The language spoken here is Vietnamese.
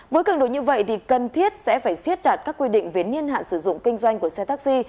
với cường độ như vậy thì cần thiết sẽ phải siết chặt các quy định về niên hạn sử dụng kinh doanh của xe taxi